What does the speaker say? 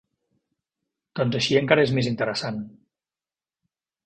Doncs així encara és més interessant.